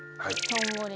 しょんぼり。